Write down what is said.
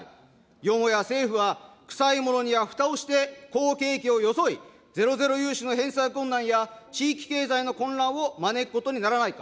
よもや政府は、くさいものにはふたをして、好景気を装い、ゼロゼロ融資の返済困難や地域経済の混乱を招くことにならないか。